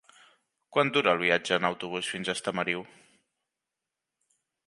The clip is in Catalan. Quant dura el viatge en autobús fins a Estamariu?